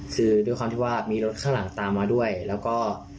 คือด้วยความที่ว่ามีรถข้างหลังตามมาด้วยแล้วก็